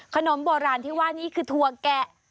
ขนมโบราณที่ว่านี่คือถั่วแกะ